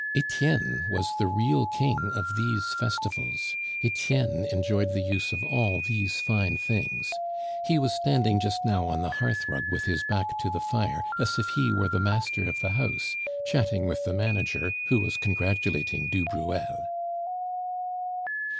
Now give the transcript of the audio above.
Etienne was the real king of these festivals; Etienne enjoyed the use of all these fine things. He was standing just now on the hearthrug with his back to the fire, as if he were the master of the house, chatting with the manager, who was congratulating du Bruel.